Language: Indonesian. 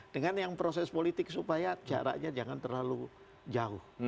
dengan yang proses politik supaya jaraknya jangan terlalu jauh